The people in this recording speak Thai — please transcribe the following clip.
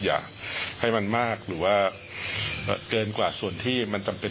อยากให้มันมากหรือว่าเกินกว่าส่วนที่มันจำเป็น